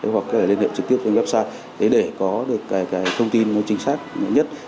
hoặc các cái liên hệ trực tiếp trên website để có được cái thông tin chính xác nhất